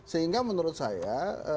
sehingga menurut saya